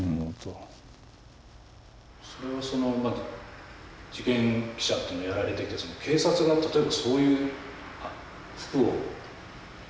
それはその事件記者っていうのをやられていて警察が例えばそういう服を自分たちの手で置くみたいな。